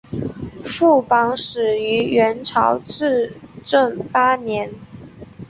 副榜始于元朝至正八年。